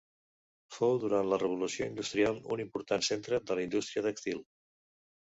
Fou durant la Revolució industrial un important centre de la indústria tèxtil.